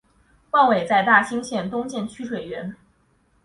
万炜在大兴县东建曲水园。